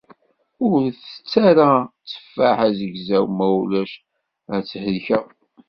Ur tett ara tteffaḥ azegzaw, ma ulac ad thelkeḍ.